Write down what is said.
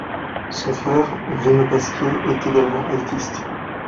Son frère Bruno Pasquier est également altiste.